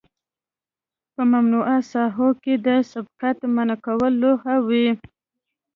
په ممنوعه ساحو کې د سبقت منع کولو لوحې وي